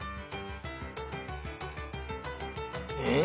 え！？